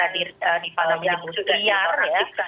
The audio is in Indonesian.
di pandang yang di iar